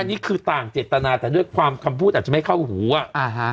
อันนี้คือต่างเจตนาแต่ด้วยความคำพูดอาจจะไม่เข้าหูอ่ะอ่าฮะ